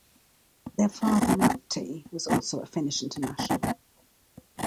Their father Matti was also a Finnish international.